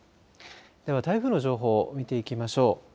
では台風の情報見ていきましょう。